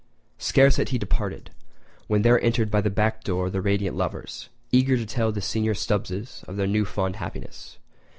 Scarce had he departed, when there entered by the back door the radiant lovers, eager to tell the senior Stubbses of their new found happiness.